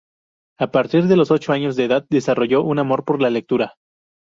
A partir de los ocho años de edad desarrolló un amor por la lectura.